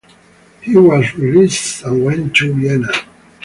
He was released and went to Vienna.